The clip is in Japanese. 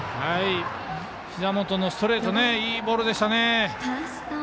ひざ元のストレートいいボールでしたね。